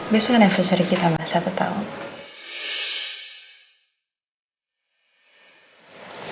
besok anniversary kita sama satu tahun